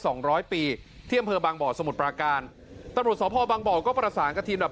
สองร้อยปีที่อำเภอบางบ่อสมุทรปราการตำรวจสภบางบ่อก็ประสานกับทีมดับ